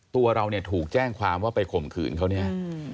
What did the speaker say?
ตัวเราเนี่ยถูกแจ้งความว่าไปข่มขืนเขาเนี่ย